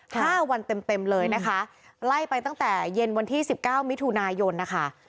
ห้าวันเต็มเต็มเลยนะคะไล่ไปตั้งแต่เย็นวันที่สิบเก้ามิถุนายนนะคะ